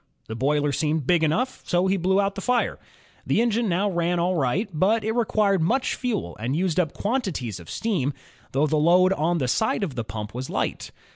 The boiler seemed big enough, so he blew up the fire. The engine now ran all right, but it required much fuel and used up quantities of steam, though the load on the side of the pump was light.